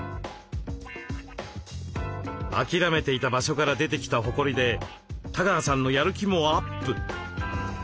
諦めていた場所から出てきたほこりで多川さんのやる気もアップ！